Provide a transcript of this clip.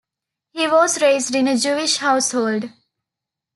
He was raised in a Jewish household.